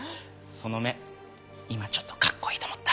その目今ちょっとカッコいいと思った？